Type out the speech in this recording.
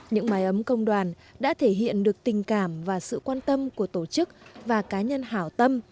những mái ấm công đoàn đã thể hiện được tình cảm và sự quan tâm của tổ chức và cá nhân hảo tâm